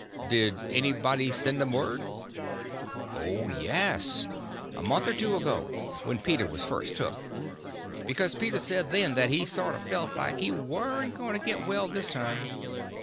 "Did anybody send 'em word?" "Oh, yes; a month or two ago, when Peter was first took; because Peter said then that he sorter felt like he warn't going to get well this time.